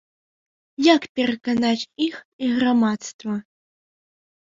Як пераканаць іх і грамадства?